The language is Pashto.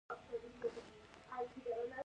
د یاد کانال اوږدوالی دوه سوه میله و.